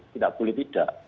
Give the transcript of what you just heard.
tidak boleh tidak